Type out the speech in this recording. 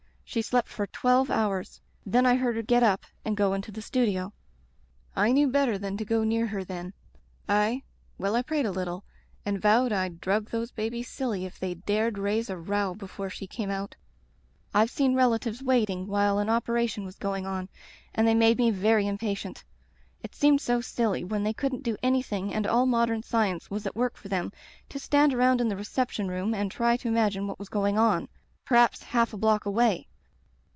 She slept for twelve hours. Then I heard her get up and go into the studio. "I knew better than to go near her then. I — ^well I prayed a little, and vowed I'd Digitized by LjOOQ IC The Rubber Stamp drug those babies silly if they dared raise a row before she came out. "Fve seen relatives waiting while an op eration was going on, and they made me very impatient. It seemed so silly, when they couldn't do anything and all modem science was at work for them, to stand around in the reception room and try to imagine what was going on — ^perhaps half a block away.